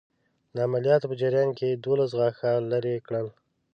د عملیات په جریان کې یې دوولس غاښه لرې کړل.